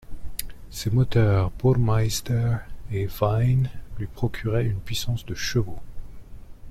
Ses moteurs Burmeister & Wain lui procurait une puissance de chevaux.